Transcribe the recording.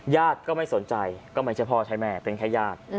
ญาติก็ไม่สนใจก็ไม่ใช่พ่อใช่แม่เป็นแค่ญาติ